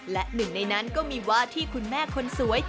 และหนึ่งในนั้นก็มีว่าที่คุณแม่คนสวย